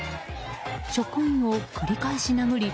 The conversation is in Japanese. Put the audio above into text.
職員を繰り返し殴り